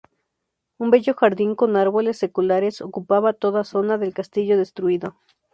Un bello jardín con árboles seculares ocupaba toda zona del castillo destruido.